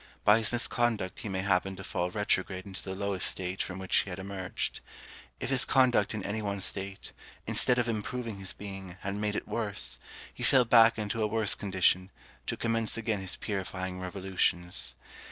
By his misconduct he may happen to fall retrograde into the lowest state from which he had emerged. If his conduct in any one state, instead of improving his being, had made it worse, he fell back into a worse condition, to commence again his purifying revolutions.